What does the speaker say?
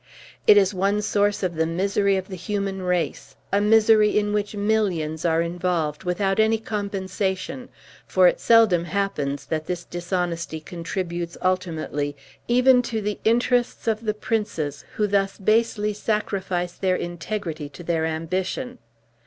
It is one source of the misery of the human race a misery in which millions are involved, without any compensation; for it seldom happens that this dishonesty contributes ultimately even to the interests of the princes who thus basely sacrifice their integrity to their ambition.